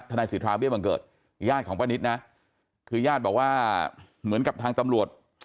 นายสิทธาเบี้ยบังเกิดญาติของป้านิตนะคือญาติบอกว่าเหมือนกับทางตำรวจ